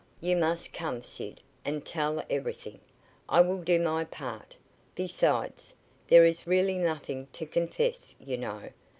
"You must come, Sid, and tell everything. I will do my part. Besides, there is really nothing to confess, you know.